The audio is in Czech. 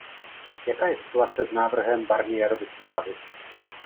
Jaká je situace s návrhem Barnierovy zprávy?